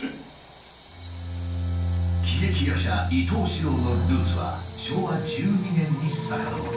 喜劇役者伊東四朗のルーツは昭和１２年に遡る。